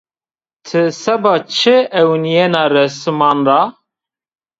Ti seba çi ewnîyena resiman ra?